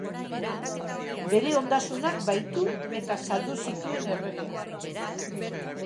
Bere ondasunak bahitu eta saldu zituen erregeak.